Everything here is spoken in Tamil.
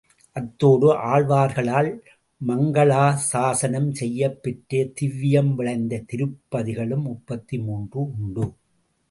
அத்தோடு ஆழ்வார்களால் மங்களா சாஸனம் செய்யப் பெற்ற திவ்வியம் விளைந்த திருப்பதிகளும் முப்பத்து மூன்று உண்டு.